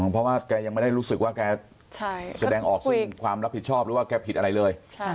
เพราะว่าแกยังไม่ได้รู้สึกว่าแกแสดงออกซึ่งความรับผิดชอบหรือว่าแกผิดอะไรเลย